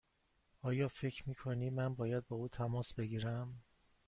آیا فکر می کنی من باید با او تماس بگیرم؟